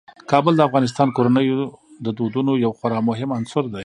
کابل د افغان کورنیو د دودونو یو خورا مهم عنصر دی.